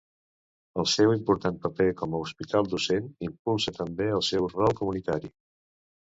El seu important paper com a hospital docent impulsa també el seu rol comunitari.